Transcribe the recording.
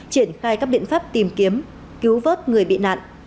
triển khai các biện pháp tìm kiếm cứu vớt người bị nạn